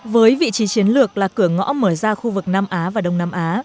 với vị trí chiến lược là cửa ngõ mở ra khu vực nam á và đông nam á